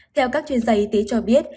theo các chuyên gia y tế trò chống